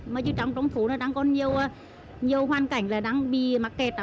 mà chứ trong phố nó đang có nhiều hoàn cảnh là đang bị mắc kẹt đó